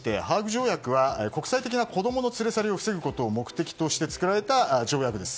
条約は国際的な子供の連れ去りを防ぐことを目的として作られた条約です。